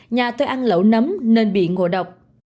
nhà tôi ăn lẩu nấm nên bị ngộ độc